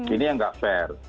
ini yang tidak fair